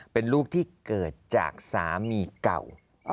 เป็นลูกที่เกิดจากสามีเก่า